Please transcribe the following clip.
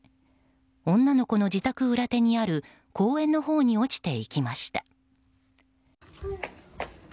女の子の自宅裏手にある公園のほうに落ちていきました。